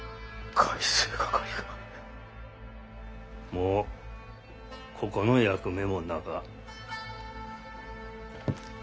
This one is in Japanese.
もうここの役目もなか。